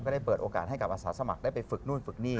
ได้เปิดโอกาสให้กับอาสาสมัครได้ไปฝึกนู่นฝึกนี่